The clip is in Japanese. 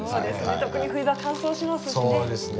特に冬場乾燥しますしね。